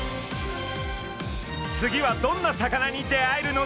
次はどんな魚に出会えるのでしょうか？